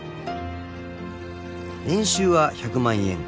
［年収は１００万円］